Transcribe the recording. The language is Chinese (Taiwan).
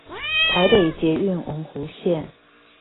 台北捷運文湖線